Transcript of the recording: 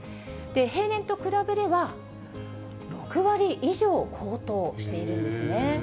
平年と比べれば、６割以上高騰しているんですね。